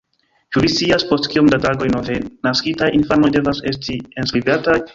Ĉu vi scias, post kiom da tagoj nove naskitaj infanoj devas esti enskribataj?